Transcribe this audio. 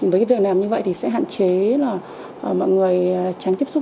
với cái việc làm như vậy thì sẽ hạn chế là mọi người tránh tiếp xúc